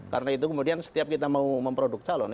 karena itu kemudian setiap kita mau memproduk calon